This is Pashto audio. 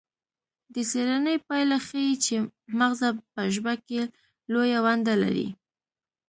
د څیړنې پایله ښيي چې مغزه په ژبه کې لویه ونډه لري